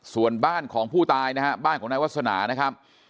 ส่วนบ้านของผู้ตายนะฮะบ้านของนายวาสนานะครับ